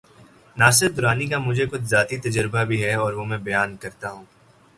ناصر درانی کا مجھے کچھ ذاتی تجربہ بھی ہے‘ اور وہ میں بیان کرتا ہوں۔